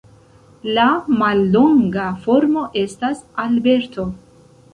La mallonga formo estas Alberto.